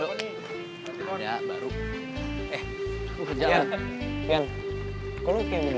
gue lebih keren dengan musiknya enak banget